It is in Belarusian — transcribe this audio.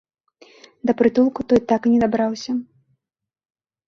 Да прытулку той так і не дабраўся.